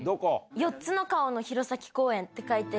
４つの顔の弘前公園って書いてる。